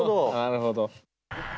なるほど。